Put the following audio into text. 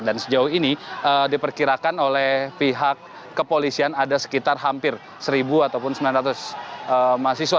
dan sejauh ini diperkirakan oleh pihak kepolisian ada sekitar hampir seribu ataupun sembilan ratus mahasiswa